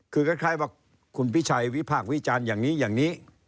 คือคล้ายว่าคุณพิชัยวิพากษ์วิจารณ์อย่างนี้อย่างนี้